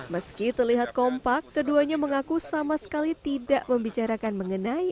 meski terlihat kompak keduanya mengaku sama sekali tidak membicarakan mengenai